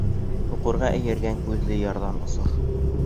Һуҡырға эйәргән күҙле ярҙан осор.